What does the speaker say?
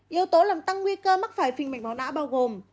yếu tố làm tăng nguy cơ mắc phải phinh mạch máu não bao gồm